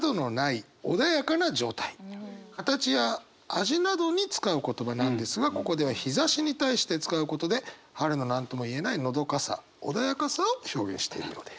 形や味などに使う言葉なんですがここでは日ざしに対して使うことで春の何とも言えないのどかさ穏やかさを表現しているようです。